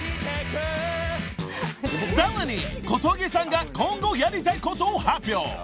［さらに小峠さんが今後やりたいことを発表］